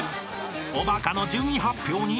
［おば科の順位発表に］